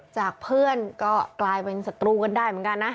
จากเพื่อนก็กลายเป็นศัตรูกันได้เหมือนกันนะ